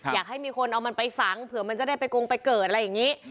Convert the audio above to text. อยากให้มีคนเอามันไปฝังเผื่อมันจะได้ไปกงไปเกิดอะไรอย่างนี้